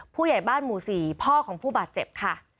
ผู้ใหญ่บ้านหมู่๔พ่อของผู้บาดเจ็บค่ะ